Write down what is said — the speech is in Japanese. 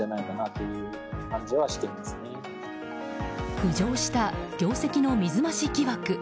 浮上した業績の水増し疑惑。